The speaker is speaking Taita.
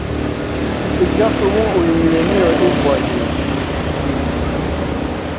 Ija sumu uinyue niyo imbwaghie.